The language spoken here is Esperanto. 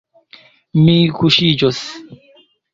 Mi kuŝiĝos.